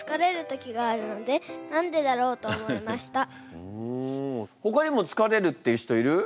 私もほかにも疲れるっていう人いる？